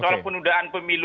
soal penundaan pemilu